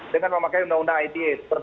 dengan memakai undang undang ite